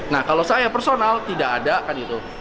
nah kalau saya personal tidak ada kan itu